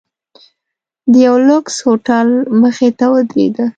د یوه لوکس هوټل مخې ته ودریده.